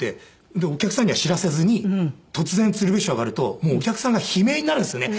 でお客さんには知らせずに突然鶴瓶師匠上がるとお客さんが悲鳴になるんですよね